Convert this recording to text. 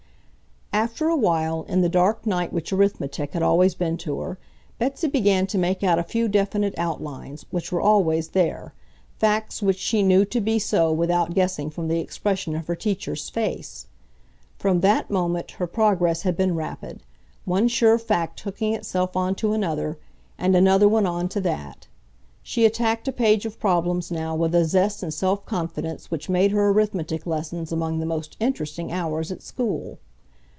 After a while, in the dark night which arithmetic had always been to her, Betsy began to make out a few definite outlines, which were always there, facts which she knew to be so without guessing from the expression of her teacher's face. From that moment her progress had been rapid, one sure fact hooking itself on to another, and another one on to that. She attacked a page of problems now with a zest and self confidence which made her arithmetic lessons among the most interesting hours at school.